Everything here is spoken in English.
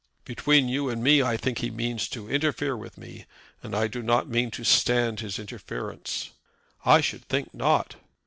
"Between you and me, I think he means to interfere with me, and I do not mean to stand his interference." "I should think not."